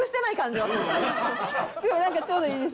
でもちょうどいいです。